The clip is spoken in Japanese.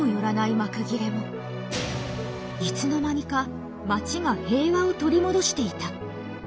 いつの間にか町が平和を取り戻していた。